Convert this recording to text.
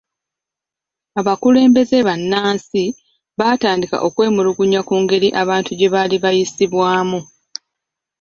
Abakulembeze ba bannansi baatandika okwemulugunya ku ngeri abantu gye baali bayisibwamu.